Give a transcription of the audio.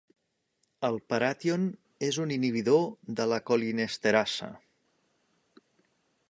El paration és un inhibidor de la colinesterasa.